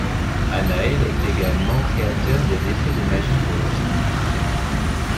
Anael est également le créateur des effets de magie pour le film.